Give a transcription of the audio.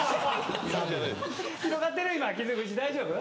大丈夫？